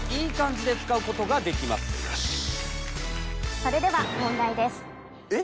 それでは問題です。えっ？